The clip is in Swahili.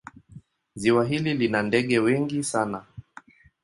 Ziwa hili lina ndege wengi sana.